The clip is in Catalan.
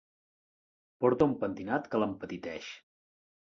Porta un pentinat que l'empetiteix.